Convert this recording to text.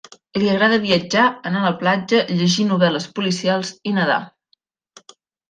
Li agrada viatjar, anar a la platja, llegir novel·les policials i nedar.